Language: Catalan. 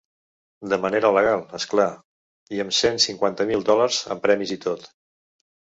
De manera legal, és clar, i amb cent cinquanta mil dòlars en premis i tot.